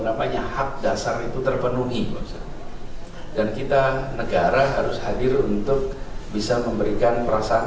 namanya hak dasar itu terpenuhi dan kita negara harus hadir untuk bisa memberikan perasaan